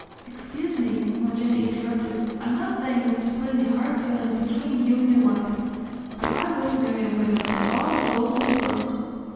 "Excuse me," Mongeri interrupted. "I'm not saying this to put any hard feelings between you and your wife, but I wouldn't marry a widow for all the gold in the world!